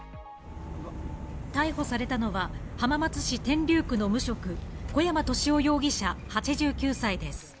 逮捕されたのは、浜松市天竜区の無職、小山利男容疑者、８９歳です。